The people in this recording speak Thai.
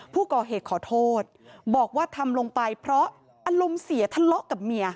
ผู้ก่อเหตุขอโทษบอกว่าทำลงไปเพราะอารมณ์เสียทะเลาะกับเมีย